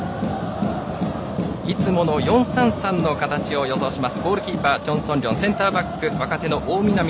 いつもの４−３−３の形を予想します。